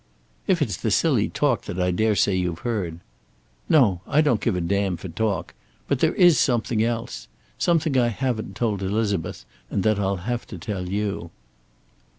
"If it's the silly talk that I daresay you've heard " "No. I don't give a damn for talk. But there is something else. Something I haven't told Elizabeth, and that I'll have to tell you."